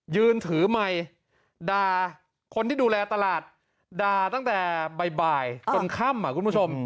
ยืนถือไมค์ด่าคนที่ดูแลตลาดด่าตั้งแต่บ่ายจนค่ำคุณผู้ชม